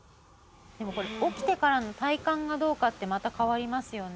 でもこれ起きてからの体感がどうかってまた変わりますよね。